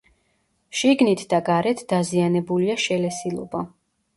შიგნით და გარეთ დაზიანებულია შელესილობა.